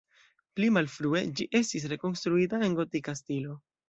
Pli malfrue ĝi estis rekonstruita en gotika stilo.